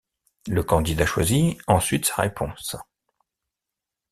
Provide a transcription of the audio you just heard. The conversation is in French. Le candidat choisit ensuite sa réponse.